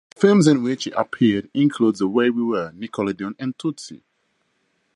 Films in which he appeared include "The Way We Were", "Nickelodeon", and "Tootsie".